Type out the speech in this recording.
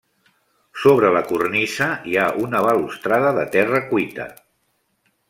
Sobre la cornisa hi ha una balustrada de terra cuita.